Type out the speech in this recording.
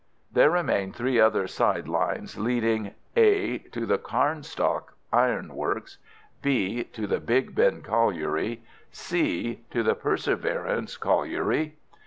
There remain three other side lines leading— (a) To the Carnstock Iron Works; (b) To the Big Ben Colliery; (c) To the Perseverance Colliery.